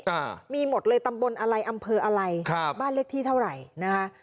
อ่ามีหมดเลยตำบลอะไรอำเภออะไรครับบ้านเลขที่เท่าไหร่นะคะ